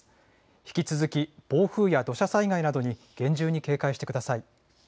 引き続き暴風や土砂災害などに厳重に警戒してください。